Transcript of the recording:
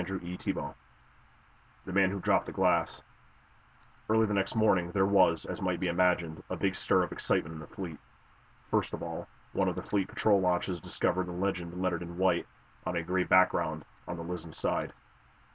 CHAPTER XXI THE MAN WHO DROPPED THE GLASS Early the next morning there was, as might be imagined, a big stir of excitement in the fleet. First of all, one of the fleet patrol launches discovered the legend lettered in white, on a gray background, on the Lizon's side.